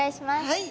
はい！